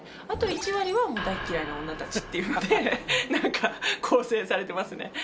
あと１割は大嫌いな女たちっていうのでなんか構成されてますね。